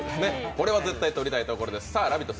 これは絶対取りたいところです。